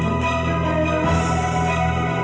yang sepupu banget